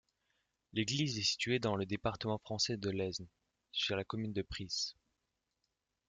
L'église est située dans le département français de l'Aisne, sur la commune de Prisces.